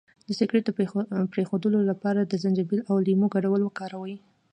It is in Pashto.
د سګرټ د پرېښودو لپاره د زنجبیل او لیمو ګډول وکاروئ